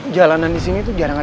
jalanan disini tuh jarang jadi